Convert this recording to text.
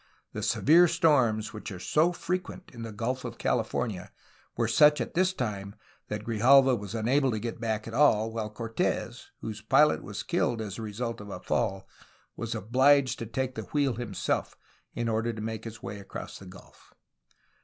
The severe storms which are so frequent in the Gulf of California were such at this time that Grijalva was unable to get back at all, while Cortes (whose pilot was killed as the result of a fall) was obliged to take the wheel himself in order to make his way across the gulf.